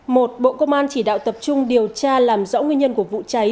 một bộ công an chỉ đạo tập trung điều tra làm rõ nguyên nhân của vụ cháy